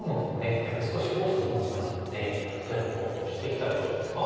やっぱり少しフォースを持ってますので例えばオシてきたらどうしますか？